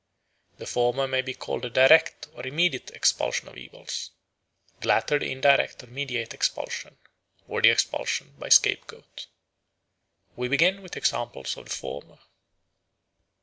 The former may be called the direct or immediate expulsion of evils; the latter the indirect or mediate expulsion, or the expulsion by scapegoat. We begin with examples of the former.